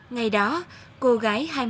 ngày đó cô gái hai mươi tuổi nguyễn thị tiếm